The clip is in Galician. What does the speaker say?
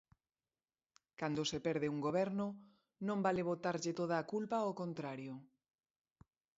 Cando se perde un goberno non vale botarlle toda a culpa ao contrario.